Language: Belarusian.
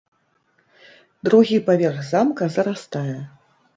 Другі паверх замка зарастае.